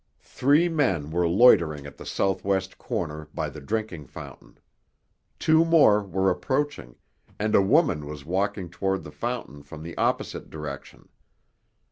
Three men were loitering in the southwest corner by the drinking fountain. Two more were approaching, and a woman was walking toward the fountain from the opposite direction.